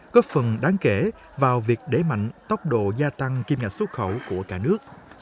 góp phần đáng kể vào việc đẩy mạnh tốc độ gia tăng kim ngạch xuất khẩu của cả nước